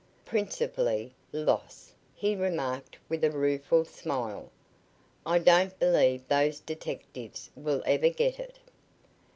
"Principally loss," he remarked with a rueful smile. "I don't believe those detectives will ever get it."